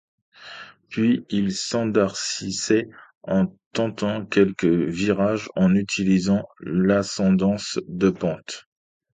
Puis il s'enhardissait en tentant quelques virages en utilisant l'ascendance de pente.